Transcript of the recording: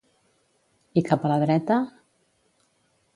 I cap a la dreta?